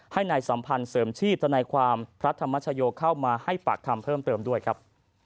ให้นายสัมพันธ์เสริมชีพธนายความพระธรรมชโยเข้ามาให้ปากคำเพิ่มเติมด้วยครับ